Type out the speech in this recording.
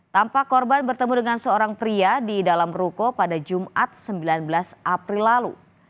tampak korban bertemu dengan seorang pria di dalam ruko pada jumat sembilan belas april lalu